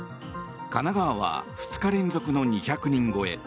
神奈川は２日連続の２００人超え。